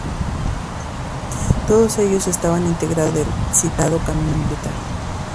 Todos ellos estaban integrados dentro del citado camino militar.